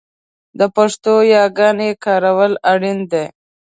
د پښتو یاګانې کارول اړین دي